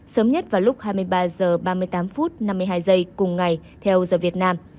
sớm nhất vào lúc hai mươi ba h ba mươi tám phút năm mươi hai giây cùng ngày theo giờ việt nam